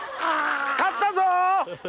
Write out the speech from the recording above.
勝ったぞ！